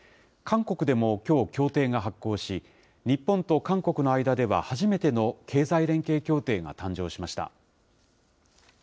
韓国でもきょう、協定が発効し、日本と韓国の間では初めての経済連携協定が誕生しました。